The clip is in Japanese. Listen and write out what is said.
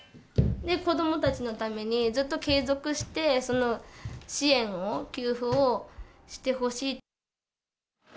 子どもたちのために、ずっと継続してその支援を、給付をしてほしい。